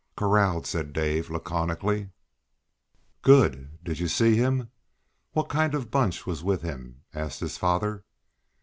"Corralled," said Dave, laconically. "Good! Did you see him? What kind of a bunch has he with him?" asked his father.